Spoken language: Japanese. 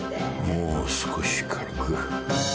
もう少し軽く。